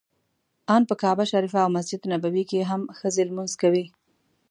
ان په کعبه شریفه او مسجد نبوي کې هم ښځې لمونځ کوي.